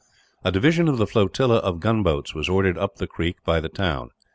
A division of the flotilla of gunboats was ordered up the creek by the town.